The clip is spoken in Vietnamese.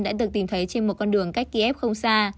đã được tìm thấy trên một con đường cách kiev không xa